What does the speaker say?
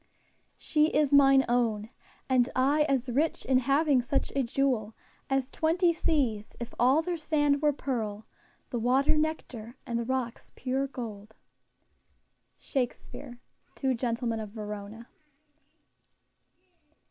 "She is mine own; And I as rich in having such a jewel As twenty seas, if all their sand were pearl, The water nectar, and the rocks pure gold." SHAKESPEARE, _Two Gentlemen of Verona.